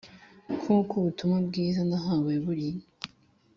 nk’uko ubutumwa bwiza nahawe buri.